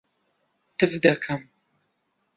تف دەکەم.